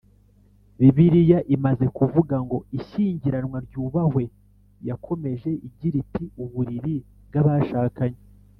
Bibiliya imaze kuvuga ngo Ishyingiranwa ryubahwe yakomeje igira iti Uburiri bw abashakanye